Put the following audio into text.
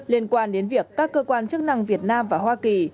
liên quan đến việc các cơ quan chức năng việt nam và hoa kỳ